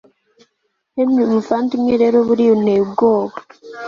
Henry muvandimwe rero buriya unteye ubwoba